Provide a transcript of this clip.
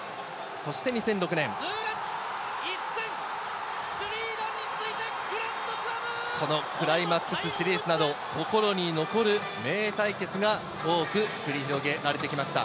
そして２００６年、このクライマックスシリーズなど、心に残る名対決が多く繰り広げられてきました。